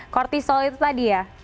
kortisol itu tadi ya